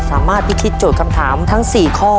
สามารถพิธีโจทย์คำถามทั้ง๔ข้อ